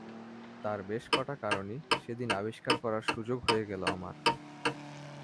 তার বেশ কটা কারণই সেদিন আবিষ্কার করার সুযোগ হয়ে গেল আমার।